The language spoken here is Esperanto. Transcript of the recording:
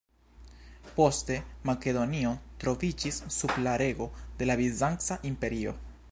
Poste, Makedonio troviĝis sub la rego de la Bizanca imperio.